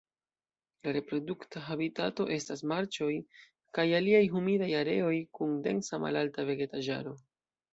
La reprodukta habitato estas marĉoj kaj aliaj humidaj areoj kun densa malalta vegetaĵaro.